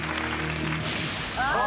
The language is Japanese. ああ